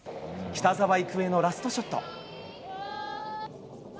北澤育恵のラストショット。